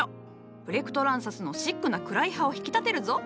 プレクトランサスのシックな暗い葉を引き立てるぞ。